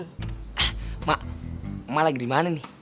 eh emak emak lagi dimana nih